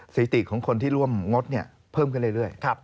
สถิติของคนที่ร่วมงดเพิ่มขึ้นเรื่อย